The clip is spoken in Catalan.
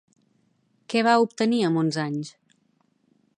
Què va obtenir amb onze anys?